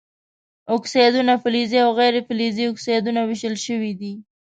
اکسایدونه فلزي او غیر فلزي اکسایدونو ویشل شوي دي.